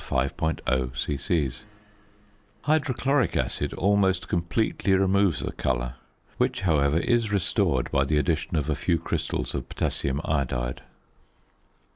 0 " Hydrochloric acid almost completely removes the colour, which, however, is restored by the addition of a few crystals of potassium iodide.